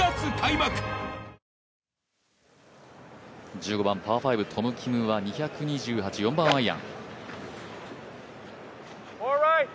１５番、パー５、トム・キムは２２８、４番アイアン。